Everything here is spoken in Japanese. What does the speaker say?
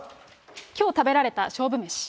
きょう食べられた勝負メシ。